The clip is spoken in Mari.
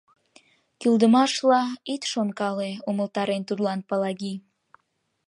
— Кӱлдымашла ит шонкале, — умылтарен тудлан Палаги.